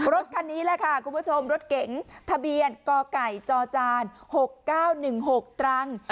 รถคันนี้แหละค่ะคุณผู้ชมรถเก๋งทะเบียนกไก่จจ๖๙๑๖ตรัง